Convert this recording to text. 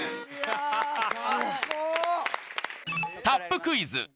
タップクイズ